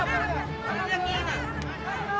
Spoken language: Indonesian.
yang mana dia